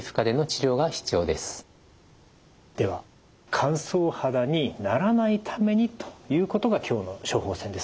では乾燥肌にならないためにということが今日の処方せんですね。